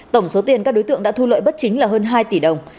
tổng số tiền các đối tượng đã thu lợi bất chính là hơn hai tỷ đồng